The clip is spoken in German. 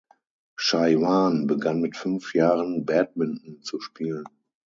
Chaiwan begann mit fünf Jahren Badminton zu spielen.